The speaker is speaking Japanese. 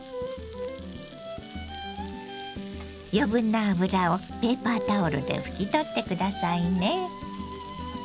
余分な油をペーパータオルで拭き取って下さいね。